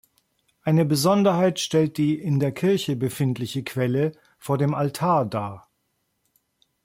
Eine Besonderheit stellt die in der Kirche befindliche Quelle vor dem Altar dar.